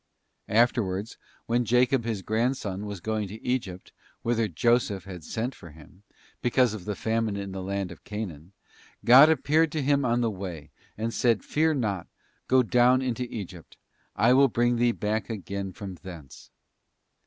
Afterwards, when Jacob his grandson was going to Egypt, whither Joseph had sent for him, because of the famine in the land of Chanaan, God appeared to him on the way, and said, ' Fear not, go down into Egypt. I will bring thee back again from thence.